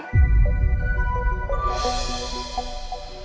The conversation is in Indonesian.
kasian tuh tamunya belum minum dari tadi